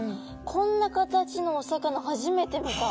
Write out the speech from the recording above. こんな形のお魚初めて見た。